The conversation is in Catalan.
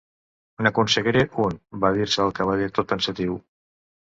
"N'aconseguiré un", va dir-se el Cavaller tot pensatiu.